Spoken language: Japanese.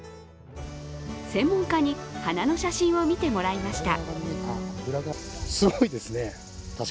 専門家に花の写真を見てもらいました。